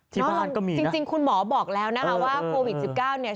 ที่บ้านก็มีนะเออจริงคุณหมอบอกแล้วนะคะว่าโควิด๑๙เนี่ย